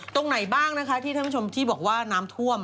ตรงไหนบ้างนะคะที่ท่านผู้ชมที่บอกว่าน้ำท่วม